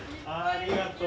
ありがとう！